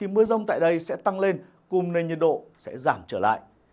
mưa rông tại đây sẽ tăng lên cùng nền nhiệt độ sẽ giảm trở lại